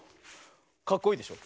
かっこいいでしょ。